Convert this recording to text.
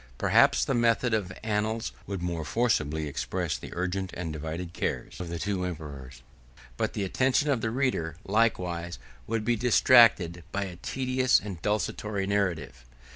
Perhaps the method of annals would more forcibly express the urgent and divided cares of the two emperors; but the attention of the reader, likewise, would be distracted by a tedious and desultory narrative.